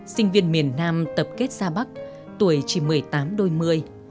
sinh viên miền nam tập kết ra bắc tuổi chỉ một mươi tám đôi mươi